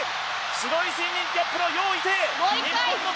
白いスイミングキャップの余依テイ。